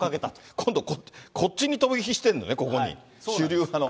今度、こっちに飛び火してんのね、こっち、主流派の。